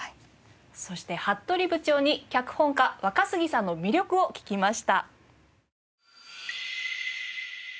そして服部部長に脚本家若杉さんの魅力を聞きました。